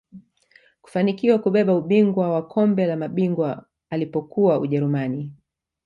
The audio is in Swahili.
kufanikiwa kubeba ubingwa wa kombe la mabingwa alipokuwa ujerumani